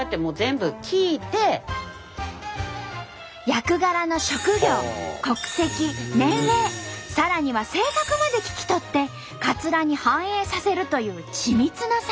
役柄の職業国籍年齢さらには性格まで聞き取ってカツラに反映させるという緻密な作業。